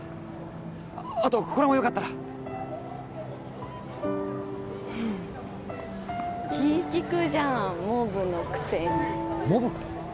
あとこれもよかったら気利くじゃんモブのくせにモブ？